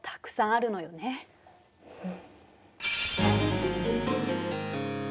うん。